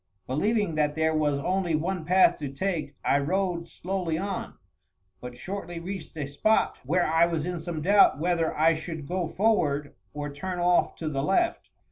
Believing that there was only one path to take, I rode slowly on, but shortly reached a spot where I was in some doubt whether I should go forward or turn off to the left.